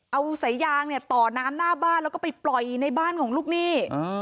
เอาสายยางเนี่ยต่อน้ำหน้าบ้านแล้วก็ไปปล่อยในบ้านของลูกหนี้